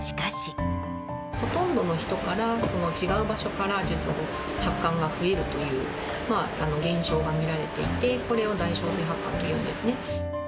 ほとんどの人から、違う場所から、実は発汗が増えるという現象が見られていて、これを代償性発汗というんですね。